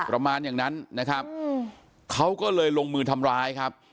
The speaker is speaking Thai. ประมาณอย่างนั้นนะครับเขาก็เลยลงมือทำร้ายครับ